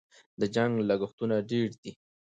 د جنګ لګښتونه ډېر دي.